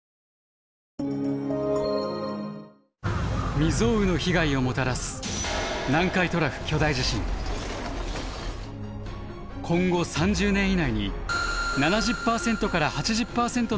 未曽有の被害をもたらす今後３０年以内に７０％から８０％の確率で発生するといわれています。